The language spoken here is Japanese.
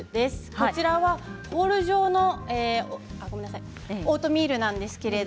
こちらはロール状のオートミールです。